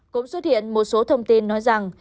cũng xuất hiện một số thông tin nói rằng